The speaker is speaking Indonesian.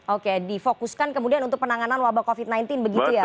oke di fokuskan kemudian untuk penanganan wabah covid sembilan belas begitu ya pak